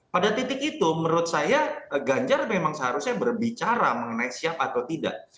pada titik itu menurut saya ganjar memang seharusnya berbicara mengenai siap atau tidak